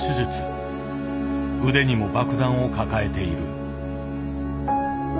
腕にも爆弾を抱えている。